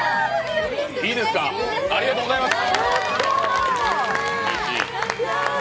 いいですか、ありがとうございます！